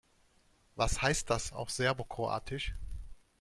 Was heißt das auf Serbokroatisch?